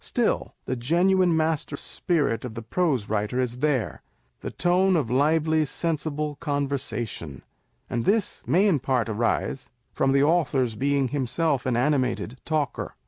Still the genuine master spirit of the prose writer is there ; the tone of lively sensible conversation ; and this may in part arise from the author's being himself an animated talker.